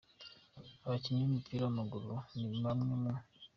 Abakinnyi b’umupira w’amaguru ni bamwe mu.